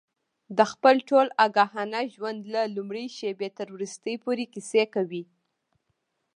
د خپل ټول آګاهانه ژوند له لومړۍ شېبې تر وروستۍ پورې کیسې کوي.